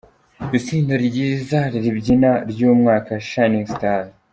Itsinda ryiza ribyina ry'umwaka: Shining Stars.